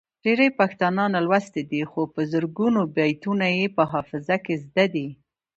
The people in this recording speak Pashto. ډیری پښتانه نالوستي دي خو په زرګونو بیتونه یې په حافظه کې زده دي.